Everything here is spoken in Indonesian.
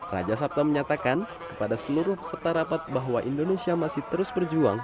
raja sabta menyatakan kepada seluruh peserta rapat bahwa indonesia masih terus berjuang